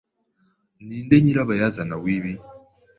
Ni nde nyirabayazana w'ibi?